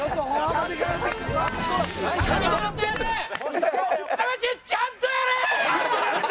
田渕ちゃんとやれ！！